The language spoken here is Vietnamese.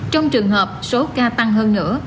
trong trường hợp số ca tăng hơn nữa